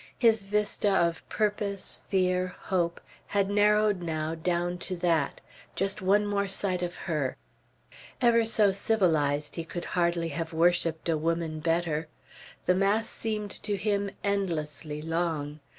His vista of purpose, fear, hope, had narrowed now down to that, just one more sight of her. Ever so civilized, he could hardly have worshipped a woman better. The mass seemed to him endlessly long.